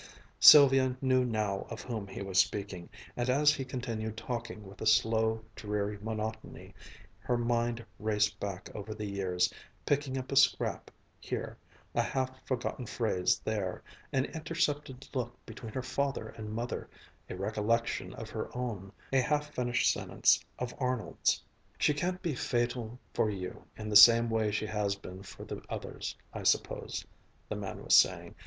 Sylvia knew now of whom he was speaking, and as he continued talking with a slow, dreary monotony, her mind raced back over the years, picking up a scrap here, a half forgotten phrase there, an intercepted look between her father and mother, a recollection of her own, a half finished sentence of Arnold's ... "She can't be fatal for you in the same way she has been for the others, of course," the man was saying.